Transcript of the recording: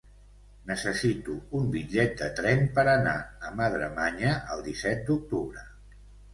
Necessito un bitllet de tren per anar a Madremanya el disset d'octubre.